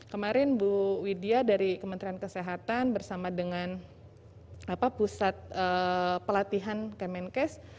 kemarin bu widya dari kementerian kesehatan bersama dengan pusat pelatihan kemenkes